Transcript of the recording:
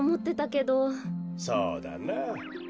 そうだなあ。